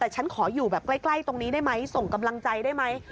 แต่ฉันขออยู่แบบใกล้ตรงนี้ได้ไหมส่งกำลังใจได้ไหม